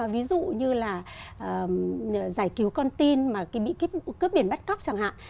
ví dụ như là giải cứu con tin mà bị cướp biển bắt cóc chẳng hạn